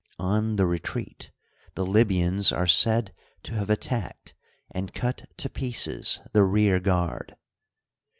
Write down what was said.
On the retreat the Libyans are said to have attacked and cut to pieces the rear g^ard.